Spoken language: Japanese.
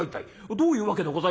『どういうわけでございます』。